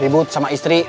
ribut sama istri